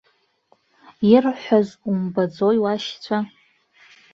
Ирҳәаз умбаӡои уашьцәа?